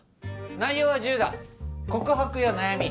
内容は自由だ告白や悩み